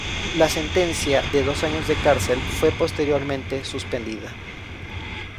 La sentencia, de dos años de cárcel, fue posteriormente suspendida.